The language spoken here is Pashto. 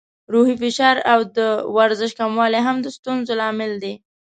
روحي فشار او د ورزش کموالی هم د ستونزو لامل دی.